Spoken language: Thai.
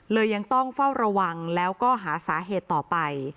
แล้วก็หาสาเหตุต่อไป